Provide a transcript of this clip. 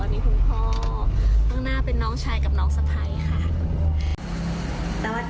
ตอนนี้คุณพ่อตั้งหน้าเป็นน้องชายกับน้องสะพัยค่ะ